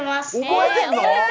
覚えてんの⁉